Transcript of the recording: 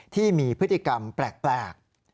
ที่มีพฤติกรรมแปลก